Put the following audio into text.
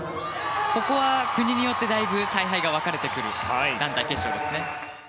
ここは国によって采配が分かれてくる団体決勝です。